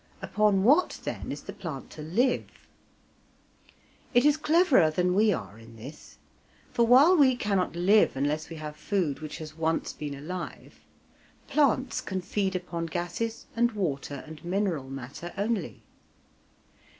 Upon what then is the plant to live? It is cleverer than we are in this, for while we cannot live unless we have food which has once been alive, plants can feed upon gases and water and mineral matter only.